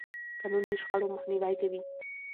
قانون د شخړو مخنیوی کوي.